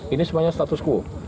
ini sebenarnya status ku